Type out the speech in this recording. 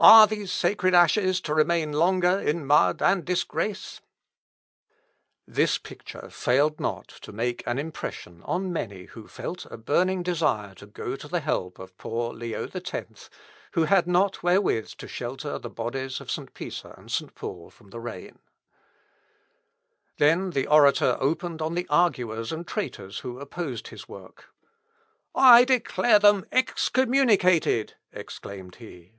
are these sacred ashes to remain longer in mud and disgrace?" Instruction of the Archbishop of Mentz, etc. This picture failed not to make an impression on many who felt a burning desire to go to the help of poor Leo X, who had not wherewith to shelter the bodies of St. Peter and St. Paul from the rain. Then the orator opened on the arguers and traitors who opposed his work. "I declare them excommunicated," exclaimed he.